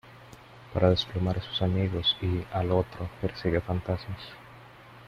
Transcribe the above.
para desplumar a sus amigos y, al otro , persigue fantasmas